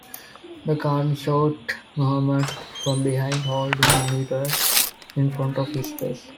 The cartoon showed Muhammad from behind holding a mirror in front of his face.